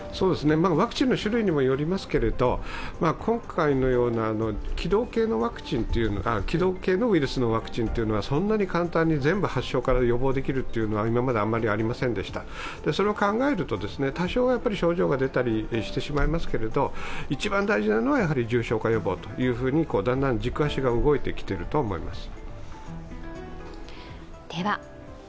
ワクチンの種類にもよりますけども今回のような気道系ウイルスのワクチンはそんなに簡単に全部発症から予防できるというのは今まであまりありませんでしたそれを考えると多少は症状が出たりしてしまいますけれども、一番大事なのはやはり重症化予防というようにだんだん軸足が動いてきていると思います。